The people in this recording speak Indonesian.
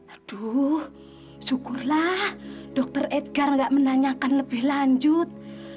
aduh syukurlah dokter edgar nggak menanyakan lebih lanjut